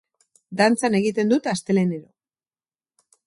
Dantzan egiten dut astelehenero.